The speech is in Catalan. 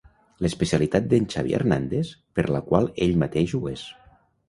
L'especialitat d'en Xavi Hernández per la qual ell mateix ho és.